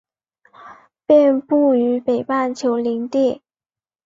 遍布于北半球林地。